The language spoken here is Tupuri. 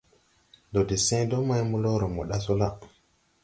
Ndɔ de sẽẽ dɔɔ may blɔɔrɔ mo ɗa sɔ la.